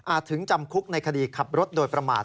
ถึงจำคุกในคดีขับรถโดยประมาท